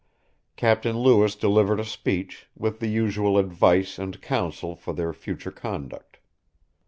Captain Lewis delivered a speech, with the usual advice and counsel for their future conduct.